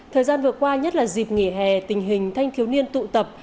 thời gian vừa qua nhất là dịp nghỉ hè tình hình thanh thiếu niên tụ tập